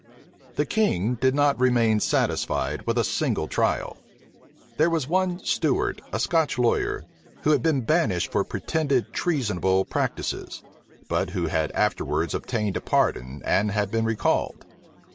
The king did not remain satisfied with a single trial. There was one Stuart, a Scotch lawyer, who had been banished for pretended treasonable practices; but who had afterwards obtained a pardon, and had been recalled.